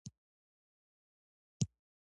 دا املا ساده ده.